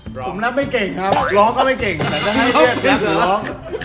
ผมรับไม่เก่งครับร้องก็ไม่เก่งแต่ก็ให้เทพเหรอร้อง